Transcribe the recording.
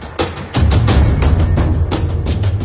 แล้วก็พอเล่ากับเขาก็คอยจับอย่างนี้ครับ